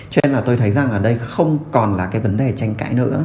cho nên là tôi thấy rằng ở đây không còn là cái vấn đề tranh cãi nữa